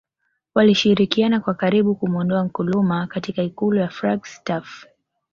Walishirikiana kwa karibu kumuondoa Nkrumah katika ikulu ya Flagstaff